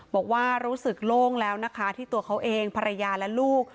บอกว่ารู้สึกโล่งแล้วนะคะที่ตัวเขาเองภรรยาและลูก